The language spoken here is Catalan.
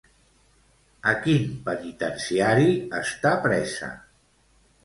A quin penitenciari està presa?